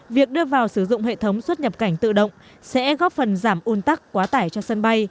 việc đưa vào sử dụng hệ thống xuất nhập cảnh tự động sẽ góp phần giảm un tắc quá tải cho sân bay